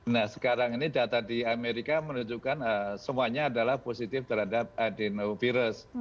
nah sekarang ini data di amerika menunjukkan semuanya adalah positif terhadap adenovirus